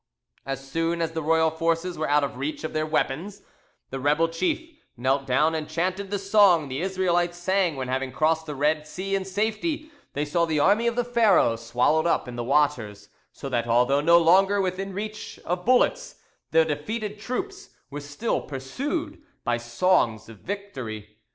As soon as the royal forces were out of reach of their weapons, the rebel chief knelt down and chanted the song the Israelites sang when, having crossed the Red Sea in safety, they saw the army of Pharaoh swallowed up in the waters, so that although no longer within reach of bullets the defeated troops were still pursued by songs of victory.